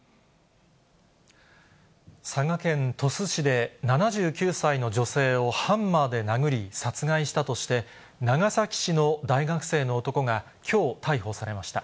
佐賀県鳥栖市で、７９歳の女性をハンマーで殴り、殺害したとして、長崎市の大学生の男が、きょう、逮捕されました。